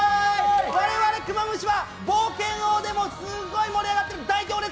我々クマムシは冒険王でもすごい盛り上がっている大行列